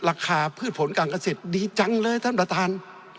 พืชผลการเกษตรดีจังเลยท่านประธาน